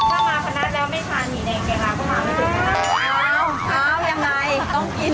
ถ้ามาพนักแล้วไม่ทานอยู่ในแกงลาวก็มาไม่ได้